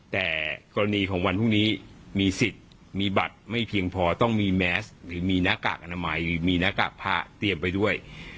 แต่กรณีของวันพรุ่งนี้มีสิทธิ์มีบัตรไม่เพียงพอต้องมีแมสหรือมีหน้ากากอนามัยมีหน้ากากผ้าเตรียมไปด้วย